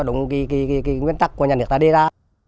đúng nguyên tắc của nhà nước ta đi ra